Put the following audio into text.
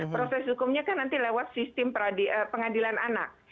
proses hukumnya kan nanti lewat sistem pengadilan anak